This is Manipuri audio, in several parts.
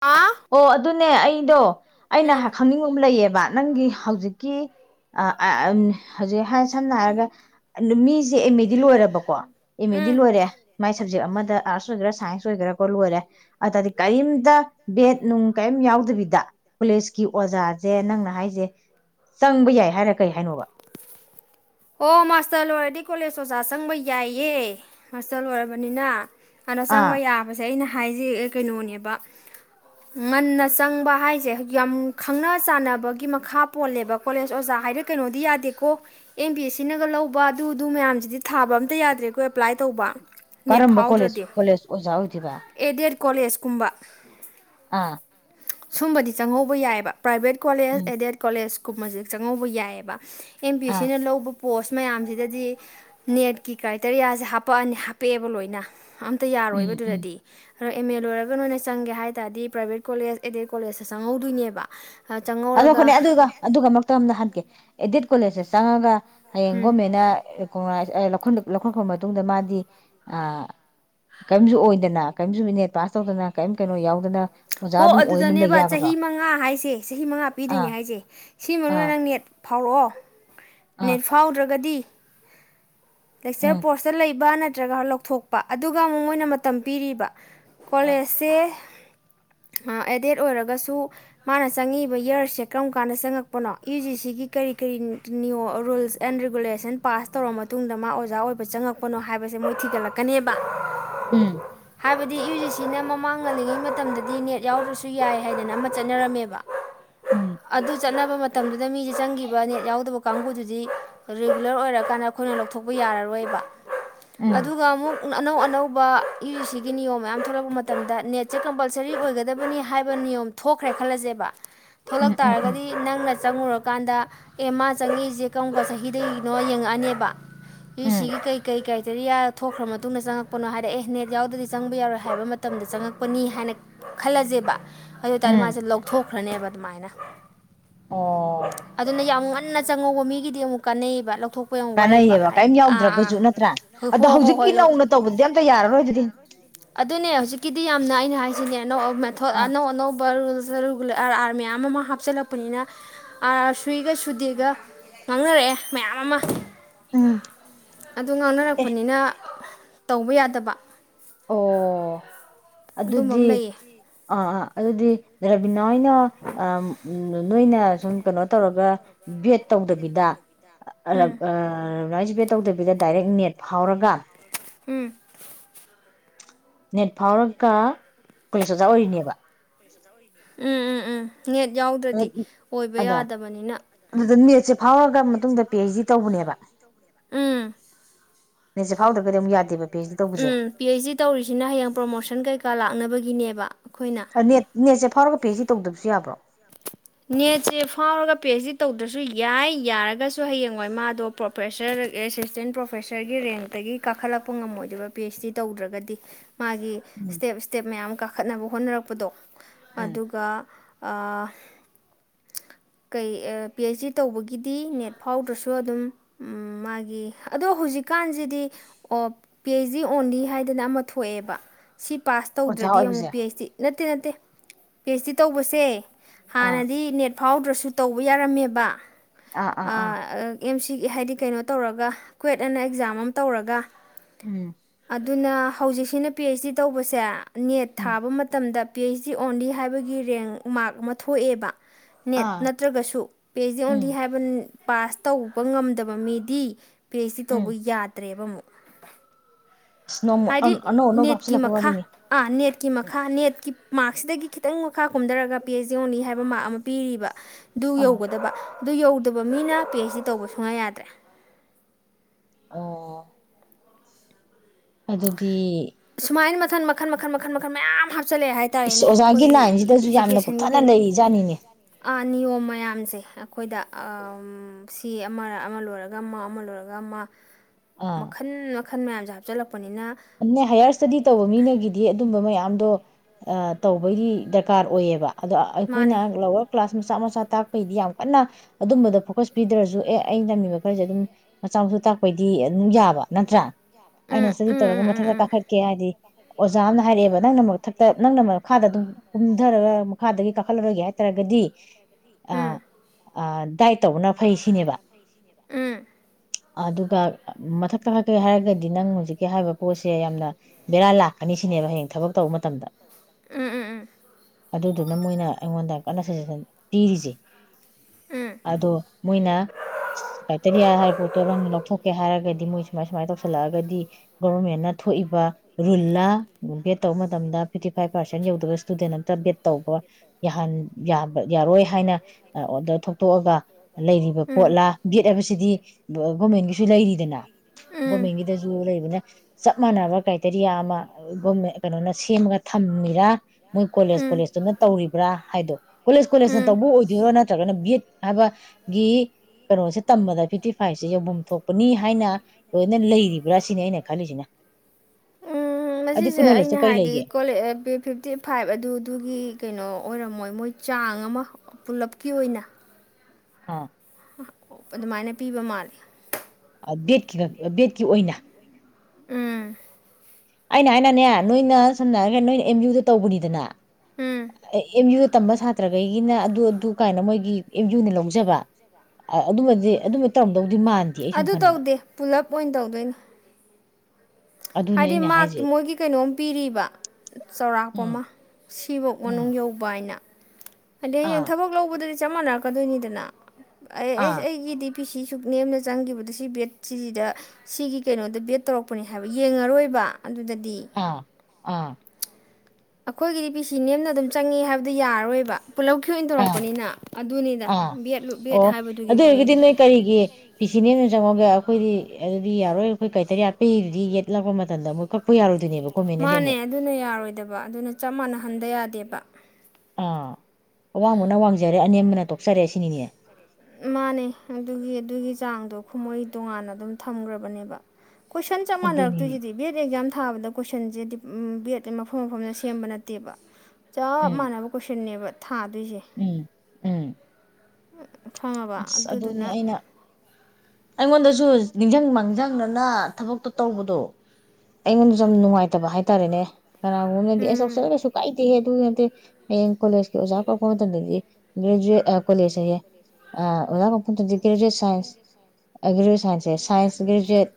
ꯑꯥ ꯑꯣ ꯑꯗꯨꯅꯦ ꯑꯩꯗꯣ ꯑꯩꯅ ꯎꯝ ꯈꯪꯅꯤꯡꯕ ꯑꯃ ꯂꯩꯌꯦꯕ ꯅꯪꯒꯤ ꯍꯧꯖꯤꯛꯀꯤ ꯑ ꯑ ꯍꯧꯖꯤꯛ ꯍꯥꯏ ꯁꯝꯅ ꯍꯥꯏꯔꯒ ꯃꯤꯁꯦ ꯑꯦꯝ ꯑꯦꯗꯤ ꯂꯣꯏꯔꯕꯀꯣ ꯑꯦꯝ ꯑꯦꯗꯤ ꯎꯝ ꯂꯣꯏꯔꯦ ꯃꯥꯏ ꯁꯕꯖꯦꯛ ꯑꯃ ꯗ ꯑꯥꯔꯠꯁ ꯑꯣꯏꯒꯦꯔꯥ ꯁꯥꯏꯟꯁ ꯑꯣꯏꯒꯦꯔꯥ ꯀꯣ ꯂꯣꯏꯔꯦ ꯑꯗꯨꯇꯥꯒꯗꯤ ꯀꯔꯤꯝꯇ ꯕꯦꯠ ꯅꯨꯡ ꯀꯔꯤꯝ ꯌꯥꯎꯗꯕꯤꯗ ꯀꯣꯂꯦꯖꯀꯤ ꯑꯣꯖꯥꯁꯦ ꯅꯪꯅ ꯍꯥꯏꯁꯦ ꯆꯪꯕ ꯌꯥꯏ ꯍꯥꯏꯔ ꯀꯩ ꯍꯥꯏꯅꯣꯕ ꯑꯣ ꯃꯥꯁꯇꯔ ꯂꯣꯏꯔꯗꯤ ꯀꯣꯂꯦꯖ ꯑꯣꯖꯥ ꯆꯪꯕ ꯌꯥꯏꯌꯦ ꯃꯁꯇꯔ ꯂꯣꯏꯔꯕꯅꯤꯅ ꯑꯅ ꯑꯥ ꯆꯪꯕ ꯌꯥꯕ ꯑꯩꯅ ꯍꯥꯏꯁꯦ ꯑꯦ ꯀꯩꯅꯣꯅꯦꯕ ꯉꯟꯅ ꯆꯪꯕ ꯍꯥꯏꯁꯦ ꯌꯥꯝ ꯈꯪꯅ ꯆꯥꯟꯅꯕꯒꯤ ꯃꯈꯥ ꯄꯣꯜꯂꯦꯕ ꯀꯣꯂꯦꯖ ꯑꯣꯖꯥ ꯍꯥꯏꯔꯦ ꯀꯩꯅꯣꯗꯤ ꯌꯥꯗꯦꯀꯣ ꯑꯦꯝ ꯄꯤ ꯑꯦꯁ ꯁꯤꯅꯒ ꯂꯧꯕ ꯑꯗꯨ ꯑꯗꯨ ꯃꯌꯥꯝꯁꯤꯗꯤ ꯊꯥꯕ ꯑꯝꯇ ꯌꯥꯗ꯭ꯔꯦꯀꯣ ꯑꯦꯄ꯭ꯂꯥꯏ ꯇꯧꯕ ꯅꯦꯠ ꯀꯔꯝꯕ ꯀꯣꯂꯦꯁ ꯐꯥꯎꯗ꯭ꯔꯗꯤ ꯀꯣꯂꯦꯁ ꯑꯣꯖꯥ ꯗꯤꯕ ꯑꯦꯗꯦꯠ ꯀꯣꯂꯦꯖꯀꯨꯝꯕ ꯑꯥ ꯁꯨꯝꯕꯗꯤ ꯆꯪꯍꯧꯕ ꯌꯥꯏꯑꯕ private college um aided college ꯀꯨꯝꯕꯁꯦ ꯆꯪꯍꯧꯕ ꯌꯥꯏꯑꯕ ꯑꯦꯝ ꯕꯤ ꯑꯦꯁ ꯑꯥ ꯁꯤꯅ ꯂꯧꯕ ꯄꯣꯁ ꯃꯌꯥꯝꯁꯤꯗꯗꯤ ꯅꯦꯠꯀꯤ ꯀ꯭ꯔꯥꯏꯇꯦꯔꯤꯌꯥꯁꯦ ꯍꯥꯄꯛꯑꯅꯤ ꯍꯥꯄꯛꯑꯦꯕ ꯂꯣꯏꯅ ꯑꯝꯇ ꯎꯝ ꯎꯝ ꯌꯥꯔꯣꯏꯕꯗꯨꯗꯗꯤ ꯑꯗꯣ ꯑꯦꯝ ꯑꯦ ꯂꯣꯏꯔꯒ ꯅꯣꯏꯅ ꯆꯪꯒꯦ ꯍꯥꯏꯕ ꯇꯥꯔꯗꯤ ꯄ꯭ꯔꯥꯏꯚꯦꯠ ꯀꯣꯂꯦꯖ ꯑꯦꯗꯦꯠ ꯀꯣꯂꯦꯖꯇ ꯆꯪꯍꯧꯗꯣꯏꯅꯦꯕ ꯑ ꯆꯪꯍꯧꯔꯒ ꯑꯗꯨꯈꯠꯅꯦ ꯑꯗꯨꯒ ꯑꯗꯨꯒ ꯃꯔꯛꯇ ꯑꯃꯗ ꯍꯟꯀꯦ ꯑꯦꯗꯤꯠ ꯀꯣꯂꯦꯁꯦ ꯁꯉꯒ ꯌꯦꯉꯣ ꯃꯦꯟꯅ ꯂꯧ ꯂꯧꯈꯠꯈ꯭ꯔꯕ ꯃꯇꯨꯡꯗ ꯃꯥꯗꯤ ꯀꯔꯤꯝꯁꯨ ꯑꯣꯏꯗꯅ ꯀꯔꯤꯝꯁꯨ ꯃꯤꯅꯦꯠ ꯇꯧꯗꯅ ꯀꯩꯝ ꯀꯩꯅꯣ ꯌꯥꯎꯗꯅ ꯑꯣꯖꯥ ꯍꯣ ꯑꯗꯨꯝ ꯑꯣꯏ ꯑꯗꯨꯝ ꯂꯩ ꯑꯗꯨꯗꯅꯦꯕ ꯆꯍꯤ ꯌꯥꯒꯗ꯭ꯔꯣ ꯃꯉꯥ ꯍꯥꯏꯁꯦ ꯆꯍꯤ ꯃꯉꯥ ꯑꯥ ꯄꯤꯗꯣꯏꯅꯦ ꯍꯥꯏꯁꯦ ꯁꯤ ꯑꯥ ꯃꯅꯨꯡꯗꯅ ꯅꯪ ꯅꯦꯠ ꯐꯥꯎꯔꯛꯑꯣ ꯑꯥ ꯅꯦꯔꯐꯥꯎꯗ꯭ꯔꯒꯗꯤ ꯂꯦꯛꯆꯔ ꯎꯝ ꯄꯣꯔꯁꯇ ꯂꯩꯕ ꯅꯠꯇ꯭ꯔꯒ ꯂꯧꯊꯣꯛꯄ ꯑꯗꯨꯒ ꯑꯃꯨꯛ ꯃꯣꯏꯅ ꯃꯇꯝ ꯄꯤꯔꯤꯕ ꯀꯂꯦꯖꯦ ꯑꯦꯗꯦꯠ ꯑꯣꯏꯔꯒꯁꯨ ꯃꯥꯅ ꯆꯪꯉꯤꯏꯕ ꯌꯔꯁꯁꯦ ꯀꯔꯝ ꯀꯥꯟꯗ ꯆꯪꯉꯛꯄꯅꯣ ꯌꯨ ꯖꯤ ꯁꯤꯒꯤ ꯀꯔꯤ ꯀꯔꯤ ꯔꯨꯜꯁ ꯑꯦꯟ ꯔꯤꯒꯨꯂꯦꯁꯟ ꯄꯥꯁ ꯇꯧꯔ ꯃꯇꯨꯡ ꯃꯇꯨꯡꯗ ꯃꯥ ꯑꯣꯖꯥ ꯑꯣꯏꯕ ꯆꯪꯉꯛꯄ ꯊꯣꯛꯄꯅꯣ ꯍꯥꯏꯕꯁꯦ ꯃꯣꯏ ꯊꯤꯒꯠꯂꯛꯀꯅꯦꯕ ꯍꯥꯏꯕꯗꯤ ꯌꯨ ꯖꯤ ꯁꯤꯅ ꯃꯃꯥꯡ ꯉꯜꯂꯤꯉꯩ ꯃꯇꯝꯗꯗꯤ ꯅꯦꯠ ꯌꯥꯎꯔꯁꯨ ꯁꯨ ꯌꯥꯏ ꯍꯥꯏꯗꯅ ꯑꯃ ꯆꯠꯅꯔꯝꯃꯦꯕ ꯎꯝ ꯑꯗꯨ ꯆꯠꯅꯕ ꯃꯇꯝꯗꯨꯗ ꯃꯤꯁꯦ ꯆꯪꯈꯤꯕ ꯅꯦꯠ ꯌꯥꯎꯗꯕ ꯀꯥꯡꯕꯨꯗꯨ ꯗꯤ ꯔꯤꯒꯨꯂꯔ ꯑꯣꯏꯔꯀꯥꯟꯗ ꯑꯩꯈꯣꯏꯅ ꯂꯧꯊꯣꯛꯄ ꯌꯥꯔꯔꯣꯏꯕ ꯎꯝ ꯑꯗꯨꯒ ꯑꯃꯨꯛ ꯑꯅꯧ ꯑꯅꯧꯕ ꯏꯨ ꯌꯨ ꯁꯤꯒꯤ ꯅꯤꯌꯣꯝ ꯃꯌꯥꯝ ꯊꯣꯛꯂꯛꯄ ꯃꯇꯝꯗ ꯅꯦꯠꯁꯦ ꯀꯝꯄꯜꯁꯔꯤ ꯑꯣꯏꯒꯗꯕꯅꯤ ꯍꯥꯏꯕ ꯅꯤꯌꯣꯝ ꯊꯣꯛꯈ꯭ꯔꯦ ꯈꯜꯂꯁꯦꯕ ꯊꯣꯛꯂꯛ ꯎꯝ ꯎꯝ ꯎꯝ ꯇꯥꯔꯒꯗꯤ ꯅꯪꯅ ꯆꯪꯉꯨꯔꯀꯥꯟꯗ ꯑꯦ ꯃꯥ ꯆꯪꯉꯛꯏꯁꯦ ꯀꯔꯝꯕ ꯆꯍꯤꯗꯒꯤꯅꯣ ꯌꯦꯡꯉꯛꯑꯅꯦꯕ ꯏ ꯎꯝ ꯎꯝ ꯁꯤꯒꯤ ꯀꯩ ꯀꯩ ꯀꯩ ꯆꯦ ꯔꯤꯌꯥ ꯊꯣꯛꯈ꯭ꯔ ꯃꯇꯨꯡꯗ ꯆꯪꯉꯛꯄꯅꯣ ꯍꯥꯏꯗꯤ ꯑꯦ ꯅꯦꯠ ꯌꯥꯎꯗ꯭ꯔꯗꯤ ꯆꯪꯕ ꯌꯥꯔꯣꯏ ꯍꯥꯏꯕ ꯃꯇꯝꯗ ꯆꯪꯉꯛꯄꯅꯤ ꯍꯥꯏꯅ ꯈꯜꯂꯁꯦꯕ ꯑꯗꯨ ꯑꯣꯏ ꯇꯥꯔꯗꯤ ꯎꯝ ꯃꯥꯁꯦ ꯂꯧꯊꯣꯛꯈ꯭ꯔꯅꯦꯕ ꯑꯗꯨꯃꯥꯏꯅ ꯑꯣ ꯑꯗꯨꯅ ꯌꯥꯝ ꯉꯟꯅ ꯆꯪꯉꯧꯕ ꯃꯤꯒꯤꯗꯤ ꯑꯃꯨꯛ ꯀꯥꯟꯅꯩꯌꯦꯕ ꯊꯣꯛꯄ ꯌꯥꯝ ꯋꯥꯏ ꯌꯦꯕ ꯀꯩꯝ ꯌꯥꯎꯗ꯭ꯔꯒꯁꯨ ꯅꯠꯇ꯭ꯔꯥ ꯑꯗꯣ ꯍꯣ ꯍꯧꯖꯤꯛꯀꯤ ꯍꯣꯏ ꯂꯧ ꯅꯧꯅ ꯇꯧꯕꯗꯤ ꯑꯝꯇ ꯌꯥꯔꯔꯣꯏ ꯑꯗꯨꯗꯤ ꯑꯗꯨꯅꯦ ꯍꯧꯖꯤꯛꯀꯤꯗꯤ ꯌꯥꯝꯅ ꯑꯩꯅ ꯍꯥꯏꯁꯤꯅꯦ ꯑꯅ ꯃꯦꯊꫭꯗ ꯑꯥ ꯑꯅꯧ ꯑꯅꯧꯕ ꯔꯨꯜꯁ ꯑꯥꯔ ꯑꯥꯔ ꯃꯌꯥꯝ ꯑꯃ ꯍꯥꯞꯆꯤꯜꯂꯛꯄꯅꯤꯅ ꯑꯥꯔ ꯑꯥꯔ ꯁꯨꯏꯒ ꯁꯨꯗꯦꯒ ꯉꯥꯡꯅꯔꯛꯑꯦ ꯃꯌꯥꯝ ꯑꯃ ꯎꯝ ꯑꯗꯨ ꯑꯦ ꯉꯥꯡꯅꯔꯛꯄꯅꯤꯅ ꯇꯧꯕ ꯌꯥꯗꯕ ꯑꯣ ꯑꯗꯨꯝꯕ ꯑꯃ ꯑꯗꯨꯗꯤ ꯂꯩꯌꯦ ꯑꯥ ꯑꯥ ꯑꯗꯨꯗꯤ ꯂꯩꯔꯕꯤ ꯅꯣꯏꯅ ꯑꯝ ꯎꯝ ꯅꯣꯏꯅ ꯁꯨꯝ ꯀꯩꯅꯣ ꯇꯧꯔꯒ ꯕꯦꯠ ꯇꯧꯗꯕꯤꯗ ꯑꯔꯞ ꯎꯝ ꯑꯔ ꯂꯥꯏꯟꯁꯤꯖꯤ ꯄꯦ ꯇꯧꯗꯕꯤꯗ ꯗꯥꯏꯔꯦꯛ ꯅꯦꯠ ꯐꯥꯎꯔꯒ ꯎꯝ ꯅꯦꯠ ꯐꯥꯎꯔꯒ ꯀꯣꯂꯦꯖ ꯑꯣꯖꯥ ꯑꯣꯏꯔꯤꯅꯦꯕ ꯎꯝ ꯎꯝ ꯎꯝ ꯅꯦꯠ ꯌꯥꯎꯗ꯭ꯔꯗꯤ ꯑꯣꯏꯕ ꯑꯗ ꯌꯥꯗꯕꯅꯤꯅ ꯑꯗꯨꯗ ꯅꯦꯠꯁꯦ ꯐꯥꯎꯔꯒ ꯃꯇꯨꯡꯗ ꯄꯤ ꯍꯩꯁ ꯗꯤ ꯇꯧꯕꯅꯦꯕ ꯎꯝ ꯅꯦꯠꯁꯦ ꯐꯥꯎꯗ꯭ꯔꯒꯗꯤ ꯑꯃꯨꯛ ꯌꯥꯗꯦꯕ ꯄꯤ ꯑꯩꯆ ꯗꯤ ꯇꯧꯕꯁꯦ ꯎꯝ ꯄꯤ ꯑꯩꯆ ꯗꯤ ꯇꯧꯔꯤꯁꯤꯅ ꯍꯌꯦꯡ ꯄ꯭ꯔꯃꯣꯁꯟ ꯀꯩꯀꯥ ꯂꯥꯛꯅꯕꯒꯤꯅꯦꯕ ꯋꯥ ꯑ ꯅꯦꯠ ꯅꯦꯠꯁꯦ ꯐꯥꯎꯔꯒ ꯄꯦ ꯍꯩꯁ ꯗꯤ ꯇꯧꯗꯕꯁꯨ ꯌꯥꯕ꯭ꯔꯣ ꯅꯦꯠꯁꯦ ꯐꯥꯎꯔꯒ ꯄꯤ ꯑꯩꯆ ꯗꯤ ꯇꯧꯗ꯭ꯔꯁꯨ ꯌꯥꯏ ꯌꯥꯔꯒꯁꯨ ꯍꯌꯦꯡꯋꯥꯣꯏ ꯃꯥꯗꯣ ꯄ꯭ꯔꯣꯐꯦꯁꯔ ꯑꯦꯁꯤꯁꯇꯦꯟ ꯄ꯭ꯔꯣꯐꯦꯁꯔꯒꯤ ꯔꯦꯡꯇꯒꯤ ꯀꯥꯈꯠꯂꯛꯄ ꯉꯝꯃꯣꯏꯗꯕ ꯄꯤ ꯑꯩꯆ ꯗꯤ ꯇꯧꯗ꯭ꯔꯒꯗꯤ ꯃꯥꯒꯤ ꯎꯝ ꯁ꯭ꯇꯦꯞ ꯁ꯭ꯇꯦꯞ ꯃꯌꯥꯝ ꯀꯥ ꯈꯠꯅꯕ ꯍꯣꯠꯅꯔꯛꯄꯗꯣ ꯎꯝ ꯑꯗꯨꯒ ꯑꯥ ꯀꯩ ꯄꯤ ꯑꯩꯆ ꯗꯤ ꯇꯧꯕꯒꯤꯗꯤ ꯅꯦꯠ ꯐꯥꯎꯗ꯭ꯔꯁꯨ ꯑꯗꯨꯝ ꯃꯥꯒꯤ ꯑꯗꯣ ꯍꯧꯖꯤꯛꯀꯥꯟꯁꯤꯗꯤ ꯑꫭ ꯄꯤ ꯑꯩꯆ ꯗꯤ ꯑꯣꯟꯂꯤ ꯍꯥꯏꯗꯅ ꯑꯃ ꯊꯣꯛꯑꯦꯕ ꯁꯤ ꯄꯥꯁ ꯑꯣꯖꯥ ꯇꯧꯗ꯭ꯔꯗꯤ ꯑꯣꯏꯕꯁꯦ ꯑꯃꯨꯛ ꯄꯤ ꯑꯩꯆ ꯗꯤ ꯅꯠꯇꯦ ꯅꯦ ꯄꯤ ꯑꯩꯆ ꯗꯤ ꯇꯧꯕꯁꯦ ꯑꯥ ꯍꯥꯟꯅꯗꯤ ꯅꯦꯠ ꯐꯥꯎꯗ꯭ꯔꯁꯨ ꯁꯨ ꯇꯧꯕ ꯌꯥꯔꯝꯃꯦꯕ ꯑꯥ ꯑꯥ ꯑ ꯑ ꯑꯥ ꯑꯦꯝ ꯁꯤꯒꯤ ꯍꯥꯏꯗꯤ ꯀꯩꯅꯣ ꯇꯧꯔꯒ ꯀ꯭ꯋꯦꯠ ꯑꯅ ꯑꯦꯛꯖꯥꯝ ꯑꯃ ꯇꯧꯔꯒ ꯎꯝ ꯑꯗꯨꯅ ꯍꯧꯖꯤꯛꯁꯤꯅ ꯄꯤ ꯑꯩꯆ ꯗꯤ ꯇꯧꯕꯁꯦ ꯅꯦꯠ ꯎꯝ ꯊꯥꯕ ꯃꯇꯝꯗ ꯄꯤ ꯑꯩꯆ ꯗꯤ ꯑꯣꯟꯂꯤ ꯍꯥꯏꯕꯒꯤ ꯔꯦꯡ ꯃꯥꯛꯃ ꯊꯣꯛꯑꯦꯕ ꯅꯦꯠ ꯑꯥ ꯅꯠꯇ꯭ꯔꯒꯁꯨ ꯄꯦꯁꯗꯤ ꯑꯣꯡꯂꯤ ꯎꯝ ꯍꯥꯏꯕ ꯄꯥꯁ ꯇꯧꯕ ꯉꯝꯗꯕ ꯃꯤꯗꯤ ꯄꯦꯁꯤ ꯇꯧꯕ ꯎꯝ ꯌꯥꯗ꯭ꯔꯦꯕ ꯑꯃꯨꯛ ꯅꯧꯃꯨꯛ ꯍꯥꯏꯗꯤ ꯑꯟ ꯑꯅꯧ ꯑꯅꯧꯕ ꯍꯞꯆꯜꯂꯛꯄꯩ ꯋꯥꯔꯤꯅꯤ ꯀꯤ ꯃꯈꯥ ꯅꯦꯠꯀꯤ ꯃꯥꯔꯛꯁꯤꯗꯒꯤ ꯈꯤꯇꯪ ꯃꯈꯥ ꯀꯣꯝꯊꯔꯒ ꯄꯤ ꯑꯩꯆ ꯗ ꯑꯣꯅꯤ ꯍꯥꯏꯕ ꯃꯥꯔꯛ ꯑꯃ ꯄꯤꯔꯤꯕ ꯑꯗꯨ ꯑꯥ ꯌꯧꯒꯗꯕ ꯑꯗꯨ ꯌꯧ ꯗꯕ ꯃꯤꯅ ꯄꯤ ꯑꯩꯩꯆ ꯗꯤ ꯇꯧꯕ ꯁꯨꯡꯌꯥ ꯌꯥꯗ꯭ꯔꯦ ꯑꯣ ꯑꯗꯨꯗꯤ ꯃꯈꯟ ꯃꯈꯜ ꯃꯈꯜ ꯃꯈꯜ ꯃꯈꯜ ꯃꯌꯥꯝ ꯍꯞ ꯀꯨꯞꯆꯜꯂꯛꯑꯦ ꯏꯁ ꯍꯥꯏꯇꯥꯔꯦꯅꯦ ꯑꯣꯖꯥꯒꯤ ꯑꯩꯈꯣꯏꯒꯤ ꯂꯥꯏꯟꯁꯤꯗꯁꯨ ꯌꯥꯝꯅ ꯏꯖꯨꯀꯦꯁꯟꯒꯤ ꯀꯨꯞꯊꯅ ꯀꯩꯅꯣ ꯂꯩꯔꯤꯖꯥꯠꯅꯤꯅꯦ ꯑ ꯅꯤꯌꯣꯝ ꯃꯌꯥꯝꯁꯦ ꯑꯩꯈꯣꯏꯗ ꯁꯤ ꯑꯃ ꯑꯃ ꯂꯣꯏꯔꯒ ꯑꯃ ꯑꯃ ꯂꯣꯏꯔꯒ ꯑꯃ ꯃꯈꯟ ꯃꯈꯟ ꯃꯌꯥꯝꯖꯦ ꯆꯂꯣ ꯍꯥꯏꯌꯥꯔ ꯏꯁꯇꯗꯤ ꯇꯧꯕ ꯃꯤꯅꯒꯤꯗꯤ ꯑꯗꯨꯝꯕ ꯃꯌꯥꯝ ꯑꯝꯗꯣ ꯑꯥ ꯇꯧꯕꯩꯗꯤ ꯗꯔꯀꯥꯔ ꯑꯣꯏꯌꯦꯕ ꯑꯗꯣ ꯑꯩꯈꯣꯏꯅ ꯃꯥꯅꯦ ꯂꯋꯔ ꯀ꯭ꯂꯥꯁ ꯃꯆꯥ ꯃꯆꯥ ꯇꯥꯛꯄꯩꯗꯤ ꯌꯥꯝ ꯀꯟꯅ ꯑꯗꯨꯝꯕꯗ ꯐꯣꯀꯁ ꯄꯤꯗ꯭ꯔꯁꯨ ꯑꯦ ꯑꯩꯩꯅ ꯇꯝꯃꯤꯕ ꯈꯔꯁꯦ ꯑꯗꯨꯝ ꯃꯆꯥ ꯃꯁꯨ ꯇꯥꯛꯄꯩꯗꯤ ꯑꯗꯨꯝ ꯌꯥꯕ ꯅꯠꯇ꯭ꯔꯥ ꯎꯝ ꯑꯩꯅꯁꯤꯗ ꯎꯝ ꯇꯧꯔꯒ ꯎꯝ ꯃꯊꯛꯇ ꯎꯝ ꯀꯥꯈꯠꯀꯦ ꯍꯥꯏꯗꯤ ꯑꯣꯖꯥ ꯑꯃꯅ ꯍꯥꯏꯔꯛꯑꯦꯕ ꯅꯪꯅ ꯃꯊꯛꯇ ꯅꯪꯅ ꯃꯈꯥꯗ ꯑꯗꯨꯝ ꯀꯨꯝꯊꯔꯒ ꯃꯈꯥꯗꯒꯤ ꯀꯥꯈꯠꯂꯔꯣꯏꯒꯦ ꯍꯥꯏꯇꯥꯔꯒꯗꯤ ꯍꯝ ꯑ ꯗꯥꯏꯑꯦꯠ ꯇꯧꯕꯅ ꯐꯩ ꯁꯤꯅꯦꯕ ꯎꯝ ꯑꯗꯨꯒ ꯃꯊꯛꯇꯈꯛꯀꯦ ꯍꯥꯏꯔꯒꯗꯤ ꯅꯪ ꯍꯧꯖꯤꯛ ꯀꯦ ꯍꯥꯏꯕ ꯄꯣꯠꯁꯦ ꯌꯥꯝꯅ ꯕꯦꯔꯥ ꯂꯥꯛꯀꯅꯤ ꯁꯤꯅꯦꯕ ꯍꯌꯦꯡ ꯊꯕꯛ ꯇꯧꯕ ꯃꯇꯝꯗ ꯎꯝ ꯎꯝ ꯎꯝ ꯑꯗꯨꯗꯨꯅ ꯃꯣꯏꯅ ꯑꯩꯉꯣꯟꯗ ꯀꯟꯅ ꯁꯖꯦꯁꯟ ꯄꯤꯔꯤꯖꯦ ꯑꯗꯣ ꯃꯣꯏꯅ ꯀꯥꯏꯇꯔꯤꯌꯥ ꯍꯥꯏ ꯄꯣꯠꯇꯣ ꯅꯪ ꯂꯧꯊꯣꯛꯀꯦ ꯍꯥꯏꯔꯒꯗꯤ ꯃꯣꯏ ꯁꯨꯃꯥꯏ ꯁꯨꯃꯥꯏ ꯇꯧ ꯁꯜꯂꯑꯒꯗꯤ ꯒꯣꯕꯔꯃꯦꯟꯅ ꯊꯣꯛꯏꯕ ꯔꯨꯜꯂ ꯕꯦꯠ ꯇꯧꯕ ꯃꯇꯝꯗ ꯐꯤꯞꯇꯤ ꯐꯥꯏꯚ ꯄꯥꯔꯁꯦꯟ ꯌꯧꯗꯕ ꯏꯁꯇꯨꯗꯦꯟ ꯑꯝꯇ ꯕꯦꯠ ꯇꯧꯕ ꯌꯥꯍꯟ ꯌꯥꯕ ꯌꯥꯔꯣꯏ ꯍꯥꯏꯅ ꯑꯣꯔꯗꯔ ꯊꯣꯛꯇꯣꯛꯑꯒ ꯂꯩꯔꯤꯕ ꯄꯣꯠꯂꯥ ꯕꯦꯠ ꯍꯥꯏꯕꯁꯤꯗꯤꯕꫭ ꯒꯣꯔꯃꯦꯟꯒꯤꯁꯨ ꯂꯩꯔꯤꯗꯅ ꯒꯣꯔꯃꯦꯟꯒꯤꯗꯁꯨ ꯂꯩꯕꯅ ꯆꯞ ꯃꯥꯟꯅꯕ ꯀ꯭ꯔꯥꯏꯇꯦꯔꯤꯌꯥ ꯑꯃ ꯒꫭꯃꯦꯟ ꯑ ꯀꯩꯅꯣꯅ ꯁꯦꯝꯃ ꯊꯝꯃꯤꯔꯥ ꯃꯣꯏ ꯎꯝ ꯀꯣꯂꯦꯖ ꯎꯝ ꯀꯣꯂꯦꯖꯇꯨꯅꯒ ꯇꯧꯔꯤꯕ꯭ꯔꯥ ꯍꯥꯏꯗꯣ ꯀꯣꯂꯦꯖ ꯀꯣꯂꯦꯖꯅ ꯎꯝ ꯇꯧꯕ ꯑꯣꯏꯗꯣꯏꯔꫭ ꯅꯠꯇ꯭ꯔꯒ ꯕꯤ ꯑꯦꯠ ꯍꯥꯏꯕ ꯒꯤ ꯀꯩꯅꯣꯁꯦ ꯇꯝꯕꯗ ꯐꯤꯞꯇꯤ ꯐꯥꯏꯚꯁꯦ ꯌꯧꯐꯝ ꯊꯣꯛꯄꯅꯤ ꯍꯥꯏꯅ ꯂꯣꯏꯅ ꯂꯩꯔꯤꯕ꯭ꯔꯥ ꯁꯤ ꯅꯤ ꯑꯩꯅ ꯈꯜꯂꯤꯁꯤꯅ ꯎꯝ ꯑꯗꯨ ꯃꯁꯤꯁꯦ ꯅꯣꯂꯦꯖꯇꯣ ꯑꯩꯅ ꯀꯩ ꯍꯥꯏꯗꯤ ꯂꯩꯒꯦ ꯀꯣꯂꯦ ꯑ ꯐꯤꯐꯇꯤ ꯐꯥꯏꯚ ꯑꯗꯨ ꯑꯗꯨꯒꯤ ꯀꯩꯅꯣ ꯑꯣꯏꯔꯝꯃꯣꯏ ꯃꯣꯏ ꯆꯥꯡ ꯑꯃ ꯄꯨꯂꯞꯀꯤ ꯑꯣꯏꯅ ꯑꯥ ꯑꯣ ꯑꯗꯨꯃꯥꯏꯅ ꯄꯤꯕ ꯃꯥꯂꯦ ꯑ ꯕꯦꯠꯀꯤ ꯕꯦꯠꯀꯤ ꯑꯣꯏꯅ ꯎꯝ ꯑꯩꯅ ꯍꯥꯏꯅꯅꯦ ꯅꯣꯏꯅ ꯁꯝꯅ ꯍꯥꯏꯔꯒ ꯅꯣꯏꯅ ꯑꯦꯝ ꯌꯨꯗ ꯇꯧꯕꯅꯤꯗꯅ ꯎꯝ ꯑ ꯑꯦꯝ ꯌꯨ ꯇꯝꯕ ꯁꯥꯇ꯭ꯔꯈꯩꯒꯤꯅ ꯑꯗꯨ ꯑꯗꯨ ꯀꯥꯏꯅ ꯃꯣꯏꯒꯤ ꯑꯦꯝ ꯌꯨꯅ ꯂꯧꯖꯕ ꯑꯗꯨꯃꯗꯤ ꯑꯗꯨꯕ ꯇꯧꯔꯝꯗꯧ ꯑꯗꯨ ꯇꯧꯗꯦ ꯄꯨꯂꯞ ꯑꯣꯏꯅ ꯇꯧꯗꯣꯏꯅꯣ ꯑꯗꯨꯅꯦ ꯍꯥꯏꯗꯤ ꯑꯩꯅ ꯃꯥꯛꯀꯤ ꯍꯥꯏꯁꯦ ꯃꯣꯏꯒꯤ ꯀꯩꯅꯣꯝ ꯄꯤꯔꯤꯕ ꯆꯥꯎꯔꯥꯛꯄ ꯎꯝ ꯑꯃ ꯁꯤꯐꯧ ꯎꯝ ꯃꯅꯨꯡ ꯌꯧꯕ ꯍꯥꯏꯅ ꯑꯗꯩ ꯍꯌꯦꯡ ꯑꯥ ꯊꯕꯛ ꯂꯧꯕꯗꯗꯤ ꯆꯞ ꯃꯥꯟꯅꯔꯛꯀꯗꯣꯏꯅꯤꯗꯅ ꯑꯦ ꯑꯦ ꯑꯩ ꯑꯥ ꯑꯩꯒꯤꯗꯤ ꯄꯤ ꯁꯤ ꯁꯨꯛ ꯅꯦꯝꯅ ꯆꯪꯈꯤꯕꯗꯨ ꯁꯤ ꯕꯦꯠ ꯁꯤꯁꯤꯗ ꯁꯤꯒꯤ ꯀꯩꯅꯣꯗ ꯕꯦꯠ ꯇꯧꯔꯛꯄꯅꯤ ꯍꯥꯏꯕ ꯌꯦꯡꯉꯔꯣꯏꯕ ꯑꯗꯨꯗꯗꯤ ꯑꯥ ꯑꯥ ꯑꯈꯣꯏꯒꯤꯗꯤ ꯄꯤ ꯁꯤ ꯅꯦꯝꯅ ꯑꯗꯨꯝ ꯆꯪꯉꯦ ꯍꯥꯏꯕꯗ ꯌꯥꯔꯔꯣꯏꯕ ꯄꯨꯂꯞꯀꯤ ꯑꯣꯏꯅ ꯑꯥ ꯇꯧꯔꯛꯄꯅꯤꯅ ꯑꯗꯨꯅꯤꯗ ꯑꯥ ꯕꯦꯠ ꯕꯦꯠ ꯑꯣ ꯍꯥꯏꯕꯗꯨꯒꯤ ꯑꯗꯨ ꯑꯣꯏꯔꯒꯗꯤ ꯋꯥꯔꯤꯅꯤ ꯅꫭꯏ ꯀꯔꯤꯒꯤ ꯄꯤꯁꯤ ꯅꯦꯝꯅ ꯆꯪꯉꯒꯦ ꯑꯈꯣꯏꯗꯤ ꯑꯗꯨꯗꯤ ꯌꯥꯔꯣꯏ ꯑꯩꯈꯣꯏ ꯀꯥꯏꯇꯔꯤꯌꯥ ꯄꯤꯔꯤꯗꯨꯗꯤ ꯌꯦꯠꯂꯛꯄ ꯃꯇꯝꯗ ꯃꯣꯏ ꯀꯛꯄ ꯌꯥꯔꯣꯏ ꯃꯥꯅꯦ ꯑꯗꯨꯅ ꯌꯥꯔꯣꯏꯗꯕ ꯑꯗꯨꯅ ꯆꯞ ꯃꯥꯟꯅꯍꯟꯗ ꯌꯥꯗꯦꯕ ꯑꯥ ꯑꯋꯥꯡꯕꯅ ꯋꯥꯡꯖꯔꯦ ꯑꯅꯦꯝꯕꯅ ꯇꯣꯛꯆꯔꯦ ꯁꯤꯅꯤꯅꯦ ꯃꯥꯅꯦ ꯑꯗꯨꯒꯤ ꯑꯗꯨꯒꯤ ꯆꯥꯡꯗꯣ ꯈꯨꯃꫭꯏꯒꯤ ꯇꯣꯉꯥꯟꯅ ꯑꯗꯨꯝ ꯊꯝꯈ꯭ꯔꯕꯅꯦꯕ ꯀꯣꯏꯁꯟ ꯆꯞ ꯑꯗꯨꯅꯤꯅꯦ ꯃꯥꯟꯅꯔꯛꯇꯣꯏꯁꯤꯗꯤ ꯕꯤ ꯑꯦꯠ ꯑꯦꯛꯖꯥꯝ ꯊꯥꯕꯗ ꯀꯣꯏꯁꯟꯁꯦ ꯗꯤ ꯎꯝ ꯕꯤ ꯑꯦꯠ ꯎꯝ ꯃꯐꯝ ꯃꯐꯝꯗ ꯁꯦꯝꯕ ꯅꯠꯇꯦꯕ ꯆꯞ ꯎꯝ ꯃꯥꯟꯅꯕ ꯀꯣꯏꯁꯟꯅꯦꯕ ꯊꯥꯗꯣꯏꯁꯦ ꯎꯝ ꯎꯝ [unintelligible] ꯈꯪꯉꯕ ꯑꯁ ꯑꯗꯨꯅꯦ ꯑꯗꯨꯗꯨꯅ ꯑꯩꯅ ꯑꯩꯉꯣꯟꯗꯁꯨ ꯅꯤꯡꯁꯤꯡ ꯃꯥꯡꯖꯪꯅꯅ ꯊꯕꯛꯇꯣ ꯇꯧꯕꯗꯣ ꯑꯩꯉꯣꯟꯗꯁꯨ ꯌꯥꯝ ꯅꯨꯡꯉꯥꯏꯇꯕ ꯍꯥꯏꯇꯥꯔꯦꯅꯦ ꯀꯅꯥꯒꯨꯝꯕꯅꯗꯤ ꯑꯁꯛ ꯎꯝ ꯀꯩꯁꯨ ꯀꯥꯏꯗꯦ ꯏ ꯍꯦ ꯑꯗꯨꯒꯤ ꯅꯠꯇꯦ ꯍꯌꯦꯡ ꯀꯣꯂꯦꯖꯀꯤ ꯑꯣꯖꯥ ꯀꯧꯔꯛꯄ ꯃꯇꯝꯗꯗꯤ ꯒ꯭ꯔꯦꯖꯨꯑꯦꯠ ꯑ ꯀꯣꯂꯦꯖꯁꯑꯌꯦ ꯑ ꯑꯣꯖꯥ ꯀꯧꯔꯛꯄ ꯃꯇꯝꯗꯗꯤ ꯒ꯭ꯔꯦꯖꯨꯑꯦꯠ ꯁꯥꯏꯟꯁ ꯑꯩꯒ꯭ꯔꯦꯖꯋ ꯁꯥꯏꯟꯁꯦ ꯁꯥꯏꯟꯁ ꯒ꯭ꯔꯦꯖꯨꯋꯦꯠ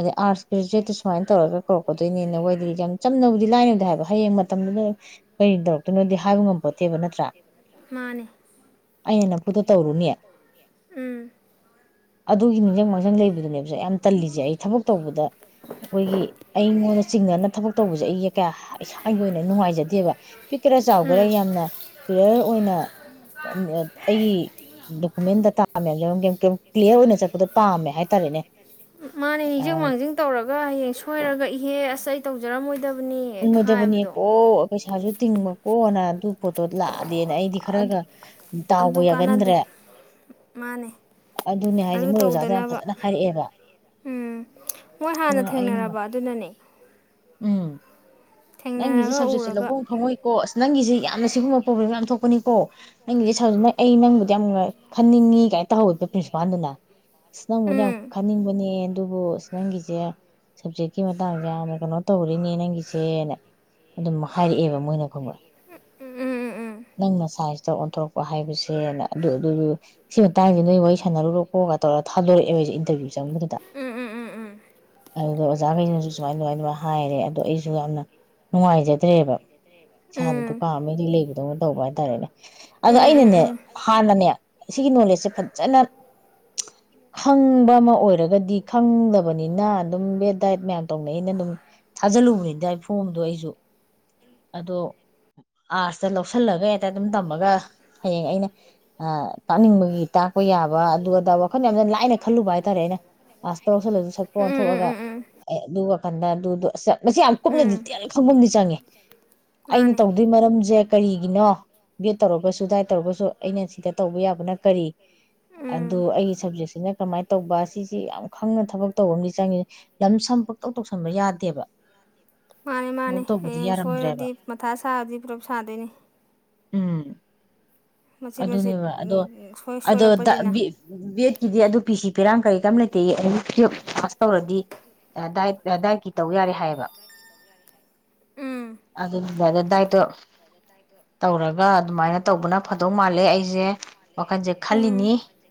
ꯑꯗ ꯑꯥꯔꯠꯁ ꯒ꯭ꯔꯦꯖꯨꯋꯌꯦꯠꯇ ꯁꯨꯃꯥꯏꯅ ꯇꯧꯔꯒ ꯀꯧꯔꯛꯀꯗꯣꯏꯅꯦꯅ ꯋꯥꯏꯗꯤ ꯌꯥꯝ ꯆꯝꯅꯕꯨꯗꯤ ꯂꯥꯏꯅꯕꯗꯤ ꯍꯥꯏꯕ ꯍꯌꯦꯡ ꯃꯇꯝꯗꯨꯗ ꯀꯔꯤ ꯇꯧꯔꯛꯇꯣꯏꯅꯣꯗꯤ ꯍꯥꯏꯕ ꯉꯝꯄꯣꯠꯇꯦꯕ ꯅꯠꯇ꯭ꯔꯥ ꯃꯥꯅꯦ ꯑꯩꯅ ꯅꯐꯨꯗ ꯇꯧꯔꯨꯅꯤ ꯎꯝ ꯑꯗꯨꯒꯤ ꯅꯤꯡꯖ ꯃꯥꯡꯖꯪ ꯂꯩꯕꯗꯨꯅꯦꯕꯁꯦ ꯌꯥꯝ ꯇꯜꯂꯤꯁꯦ ꯑꯩ ꯊꯕꯛ ꯇꯧꯕꯗ ꯑꯩꯈꯣꯏꯒꯤ ꯑꯩꯉꯣꯟꯗ ꯆꯤꯡꯅꯅ ꯊꯕꯛ ꯇꯧꯕꯁꯦ ꯑꯩꯁꯦ ꯀꯌꯥ ꯏꯁꯥꯒꯤ ꯑꯣꯏꯅ ꯑꯩ ꯅꯨꯡꯉꯥꯏꯖꯗꯦꯕ ꯄꯤꯛꯀꯦꯔꯥ ꯆꯥꯎꯒꯦꯔꯥ ꯎꯝ ꯌꯥꯝꯅ ꯀ꯭ꯂꯤꯌꯥꯔ ꯑꯣꯏꯅ ꯑꯩꯒꯤ ꯗꯣꯀꯨꯃꯦꯟ ꯗꯇꯥ ꯃꯌꯥꯝ ꯂꯩꯎꯔꯝꯒꯦ [unintelligible] ꯀ꯭ꯂꯤꯌꯥꯔ ꯑꯣꯏꯅ ꯆꯠꯄꯗ ꯄꯥꯝꯃꯦ ꯍꯥꯏꯇꯥꯔꯦꯅꯦ ꯃꯥꯅꯦ ꯏꯖꯤꯡ ꯃꯥꯡꯖꯤꯡ ꯇꯧꯔꯒ ꯍꯌꯦꯡ ꯁꯣꯏꯔꯒ ꯏꯍꯦ ꯑꯁ ꯑꯩ ꯇꯧꯖꯔꯝꯃꯣꯏꯗꯕ ꯎꯃꯣꯏꯗꯕꯨꯅꯤ ꯀꯣ ꯄꯩꯁꯥꯖꯨ ꯇꯤꯡꯃ ꯀꯣꯅ ꯄꯣꯠꯇꯣ ꯂꯥꯛꯑꯗꯦꯅ ꯑꯩꯗꯤ ꯑꯗꯨ ꯈꯔꯒ ꯗꯥꯎꯒ ꯑꯗꯨ ꯀꯥꯟꯅꯗꯦ ꯌꯥꯒꯟꯗ꯭ꯔꯦ ꯃꯥꯅꯦ ꯑꯗꯨꯅꯦ ꯍꯥꯏꯁꯦ ꯑꯗꯨ ꯃꯣꯏ ꯑꯣꯖꯥꯗ ꯌꯥꯝ ꯇꯧꯗꯅꯕ ꯐꯖꯅ ꯍꯥꯏꯔꯛꯑꯦꯕ ꯎꯝ ꯃꯣꯏ ꯍꯥꯟꯅ ꯎꯝ ꯑꯩꯅ ꯊꯦꯡꯅꯔꯕ ꯑꯗꯨꯅꯅꯦ ꯎꯝ ꯅꯪꯒꯤꯁꯦ ꯊꯦꯡꯅꯔꯒ ꯁꯞꯖꯦꯛꯁꯦ ꯎꯔꯒ ꯂꯧꯕꯝ ꯈꯪꯉꯣꯏꯀꯣ ꯑꯁ ꯅꯪꯒꯤꯁꯦ ꯌꯥꯝꯅ ꯁꯤꯒꯨꯝꯕ ꯄ꯭ꯔꯣꯕ꯭ꯂꯦꯝ ꯌꯥꯝ ꯊꯣꯛ ꯊꯣꯛꯄꯅꯤꯀꯣ ꯅꯪꯒꯤꯁꯦ ꯁ ꯑꯩ ꯅꯪꯕꯨꯗꯤ ꯌꯥꯝ ꯈꯟꯅꯤꯡꯉꯤ ꯀꯥꯏꯅ ꯇꯧꯍꯧꯋꯦꯕ ꯄ꯭ꯔꯤꯟꯁꯤꯄꯥꯜꯗꯨꯅ ꯑꯁ ꯅꯪꯕꯨꯗꯤ ꯌꯥꯝ ꯎꯝ ꯈꯟꯅꯤꯡꯕꯅꯦ ꯑꯗꯨꯕꯨ ꯑ ꯅꯪꯒꯤꯁꯦ ꯁꯕꯖꯦꯛꯀꯤ ꯃꯇꯥꯡꯁꯦ ꯌꯥꯝꯅ ꯀꯩꯅꯣ ꯇꯧꯔꯤꯅꯦ ꯅꯪꯒꯤꯁꯦꯅꯦ ꯑꯗꯨꯝ ꯍꯥꯏꯔꯛꯑꯦꯕ ꯃꯣꯏꯅ ꯈꯪꯕꯥ ꯎꯝ ꯎꯝ ꯎꯝ ꯎꯝ ꯎꯝ ꯎꯝ ꯎꯝ ꯎꯝ ꯎꯝ ꯎꯝ ꯎꯝ ꯎꯝ ꯅꯪꯅ ꯁꯥꯏꯟꯁꯇ ꯑꯣꯟꯊꯣꯔꯛꯄ ꯍꯥꯏꯕꯁꯦꯅ ꯑꯗꯨ ꯑꯗꯨ ꯁꯤ ꯃꯇꯥꯡꯁꯤ ꯅꯣꯏ ꯋꯥꯔꯤ ꯁꯥꯟꯅꯔꯨꯔꯣꯀꯣꯒ ꯇꯧꯔꯒ ꯊꯥꯗꯣꯔꯛꯑꯦꯕ ꯑꯩꯁꯦ ꯏꯟꯇꯔꯚꯤꯌꯨ ꯆꯪꯕꯗꯨꯗ ꯑꯗꯨꯗ ꯑꯣꯖꯥꯈꯩꯅꯁꯨ ꯁꯨꯃꯥꯏ ꯑꯗꯨꯃꯥꯏꯅ ꯍꯥꯏꯔꯦ ꯑꯗꯣ ꯑꯩꯁꯨ ꯌꯥꯝꯅ ꯅꯨꯡꯉꯥꯏꯖꯗ꯭ꯔꯦꯕ ꯏꯁꯥꯗ ꯗꯨꯀꯥ ꯑꯃ ꯏꯔꯤ ꯂꯩꯕꯗꯧꯅ ꯇꯧꯕ ꯍꯥꯏꯇꯥꯔꯦꯅꯦ ꯑꯗꯣ ꯑꯩꯅꯅꯦ ꯍꯥꯟꯅꯅꯦ ꯁꯤꯒꯤ ꯅꯣꯂꯦꯖꯁꯦ ꯐꯖꯅ ꯈꯪꯕ ꯑꯃ ꯑꯣꯏꯔꯒꯗꯤ ꯈꯪꯗꯕꯅꯤꯅ ꯑꯗꯨꯝ ꯕꯦꯠ ꯗꯥꯏꯠ ꯃꯌꯥꯝ ꯇꯧꯅꯩ ꯑꯩꯅ ꯑꯗꯨꯝ ꯊꯥꯖꯤꯜꯂꯨꯕꯅꯤ ꯗꯥꯏ ꯐꯣꯝꯗꯣ ꯑꯩ ꯑꯗꯣ ꯑꯥꯔꯠꯁꯇ ꯂꯧꯁꯜꯂꯒ ꯍꯦꯛꯇ ꯑꯗꯨꯝ ꯇꯝꯃꯒ ꯍꯌꯦꯡ ꯑꯩꯅ ꯇꯥꯛꯅꯤꯡꯕꯒꯤ ꯇꯥꯛꯄ ꯌꯥꯕ ꯑꯗꯨ ꯑꯗ ꯋꯥꯈꯜ ꯌꯥꯝꯅ ꯂꯥꯏꯅ ꯈꯜꯂꯨꯕ ꯍꯥꯏꯇꯥꯔꯦ ꯑꯩꯅ ꯑꯥꯔꯠꯁꯇ ꯂꯧꯁꯤꯜꯂꯁꯨ ꯁꯛꯄ ꯎꯝ ꯎꯝ ꯑꯣꯟꯊꯣꯛꯑꯒ ꯎꯝ ꯑꯗꯨ ꯋꯥꯈꯜꯗ ꯑꯗꯨꯗꯨ ꯃꯁꯤ ꯌꯥꯝ ꯀꯨꯞꯅ ꯎꯝ ꯗꯤꯇꯦꯜ ꯈꯪꯒꯝꯗꯤ ꯆꯪꯉꯦ ꯑꯩꯅ ꯃꯥꯅꯦ ꯇꯧꯗꯣꯏ ꯃꯔꯝꯁꯦ ꯀꯔꯤꯒꯤꯅꯣ ꯕꯤ ꯑꯦꯠ ꯇꯧꯔꯒꯁꯨ ꯗꯥꯏꯠ ꯇꯧꯔꯒꯁꯨ ꯑꯩꯅ ꯁꯤꯗ ꯇꯧꯕ ꯌꯥꯕꯅ ꯀꯔꯤ ꯑꯗꯨ ꯎꯝ ꯑꯩꯒꯤ ꯁꯞꯖꯦꯛꯁꯤꯅ ꯀꯃꯥꯏꯅ ꯇꯧꯕ ꯁꯤꯁꯤ ꯌꯥꯝ ꯈꯪꯅ ꯊꯕꯛ ꯇꯧꯕ ꯑꯃꯗꯤ ꯆꯪꯉꯤ ꯂꯝ ꯁꯝ ꯄꯛꯇꯧ ꯇꯧꯁꯟꯕ ꯌꯥꯗꯦꯕ ꯃꯥꯅꯤ ꯊꯕꯛ ꯃꯥꯅꯦ ꯇꯧꯕꯗꯨ ꯍꯌꯦꯡ ꯌꯥꯔꯝꯗ꯭ꯔꯦꯕ ꯁꯣꯏꯔꯗꯤ ꯃꯊꯥ ꯁꯥꯔꯗꯤ ꯄꯨꯂꯞ ꯁꯥꯗꯣꯏꯅꯤ ꯎꯝ ꯃꯆꯤꯠ ꯃꯆꯤꯠ ꯑꯗꯨꯅꯦꯕ ꯑꯗꯣ ꯁꯣꯏ ꯑꯗꯣ ꯗꯥ ꯁꯣꯏꯔꯛꯄꯁꯤꯅ ꯕꯦꯠ ꯕꯦꯠꯀꯤꯗꯤ ꯑꯗꯨ ꯄꯤꯁꯤ ꯄꯤꯔꯥꯡ ꯀꯔꯤ ꯀꯔꯝ ꯂꯩꯇꯦꯌꯦ ꯑꯦꯅꯤ ꯇꯨꯌꯦꯞ ꯄꯥꯁ ꯇꯧꯔꯗꯤ ꯗꯥꯏꯠ ꯗꯥꯏꯠꯀꯤ ꯇꯧ ꯌꯥꯔꯦ ꯍꯥꯏꯌꯦꯕ ꯎꯝ ꯑꯗꯨꯗꯨꯗ ꯗꯥꯏꯠꯇꯣ ꯇꯧꯔꯒ ꯑꯗꯨꯃꯥꯏꯅ ꯇꯧꯕꯅ ꯐꯗꯧ ꯃꯥꯜꯂꯦ ꯑꯩꯁꯦ ꯋꯥꯈꯜꯁꯦ ꯈꯜꯂꯤꯅꯤ ꯋꯥꯈꯜꯁꯦ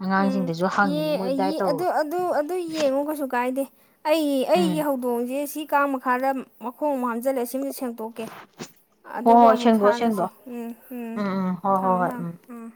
ꯑꯉꯥꯡꯁꯤꯡꯗꯁꯨ ꯍꯡꯉꯤ ꯑꯦ ꯑꯩꯒꯤ ꯑꯗꯨ ꯑꯗꯨ ꯑꯗꯨ ꯌꯦꯡꯉꯣ ꯀꯩꯁꯨ ꯀꯥꯏꯗꯦ ꯑꯩꯒꯤ ꯎꯝ ꯑꯩꯒꯤ ꯍꯧꯗꯣꯡꯁꯦ ꯁꯤ ꯀꯥ ꯃꯈꯥꯗ ꯃꯈꯣꯡꯥꯡ ꯍꯟꯖꯤꯜꯂꯦ ꯁꯤꯃꯁꯨ ꯁꯦꯡꯇꯣꯛꯀꯦ ꯍꯣꯏ ꯑꯗꯨꯒ ꯍꯣꯏ ꯑꯃꯨꯛ ꯁꯦꯡꯗꯣꯛꯑꯣ ꯁꯥꯔꯅꯁꯦ ꯁꯦꯡꯗꯣꯛꯑꯣ ꯎꯝ ꯎꯝ ꯊꯝꯃꯦ ꯊꯝꯃꯦ ꯎꯝ